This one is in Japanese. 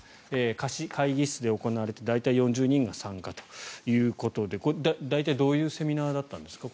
貸し会議室で行われて大体４０人が参加ということで大体どういうセミナーだったんですか？